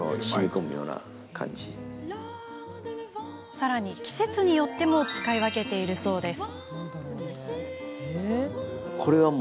さらに、季節によっても使い分けているそうです。